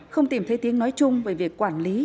không tìm thấy tiếng nói chung về việc quản lý